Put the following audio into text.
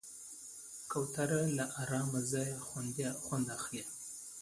کوتره له آرامه ځایه خوند اخلي.